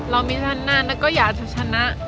เรามีชนะแล้วก็อยากจะชนะ